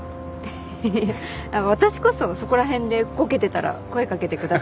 ヘヘヘ私こそそこら辺でこけてたら声掛けてください。